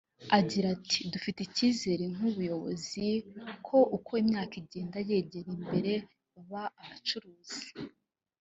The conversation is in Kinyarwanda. Agita ati “Dufite icyizere nk’ubuyobozi ko uko imyaka igenda yegera imbere baba abacuruzi